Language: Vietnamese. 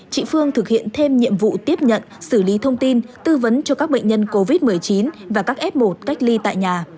chị phương thực hiện thêm nhiệm vụ tiếp nhận xử lý thông tin tư vấn cho các bệnh nhân covid một mươi chín và các f một cách ly tại nhà